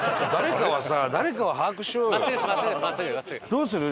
どうする？